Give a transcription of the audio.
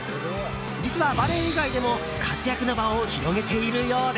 実は、バレー以外でも活躍の場を広げているようで。